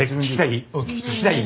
聞きたい？